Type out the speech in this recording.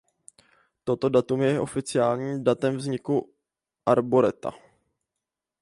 Toto datum je i oficiálním datem vzniku arboreta.